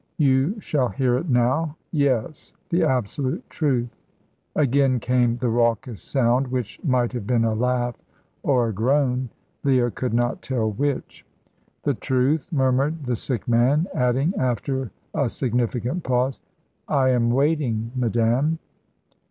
"You shall hear it now yes, the absolute truth." Again came the raucous sound, which might have been a laugh or a groan Leah could not tell which. "The truth," murmured the sick man; adding, after a significant pause, "I am waiting, madame."